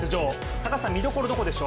高橋さん見所どこでしょう？